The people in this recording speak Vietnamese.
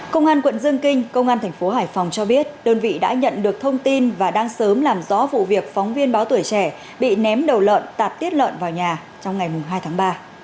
công an quận dương kinh công an thành phố hải phòng cho biết đơn vị đã nhận được thông tin và đang sớm làm rõ vụ việc phóng viên báo tuổi trẻ bị ném đầu lợn tạp tiết lợn vào nhà trong ngày hai tháng ba